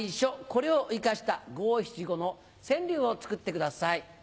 これを生かした五七五の川柳を作ってください。